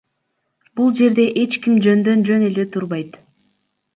Бул жерде эч ким жөндөн жөн эле турбайт.